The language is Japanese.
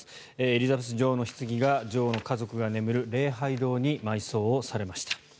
エリザベス女王のひつぎが女王の家族が眠る礼拝堂に埋葬されました。